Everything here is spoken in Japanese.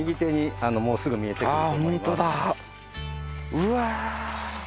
うわ。